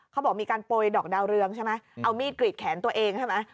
เขาบอกมีการโปรยดอกดาวเรืองใช่ไหมเอามีดกรีดแขนตัวเองใช่ไหม